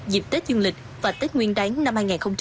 dịp tết dương lịch và tết nguyên đáng năm hai nghìn hai mươi